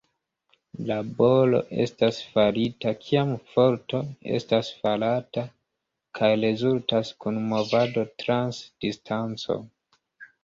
Laboro estas farita kiam forto estas farata kaj rezultas kun movado trans distanco.